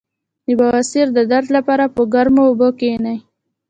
د بواسیر د درد لپاره په ګرمو اوبو کینئ